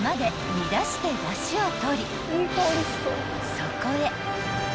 ［そこへ］